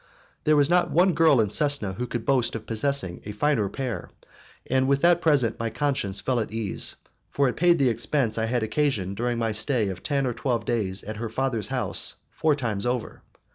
There was not one girl in Cesena who could boast of possessing a finer pair, and with that present my conscience felt at ease, for it paid the expense I had occasioned during my stay of ten or twelve days at her father's house four times over.